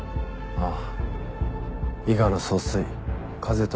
ああ。